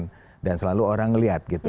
terus selalu orang ngeliat gitu